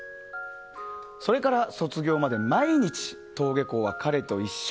それから卒業まで毎日登下校は彼と一緒。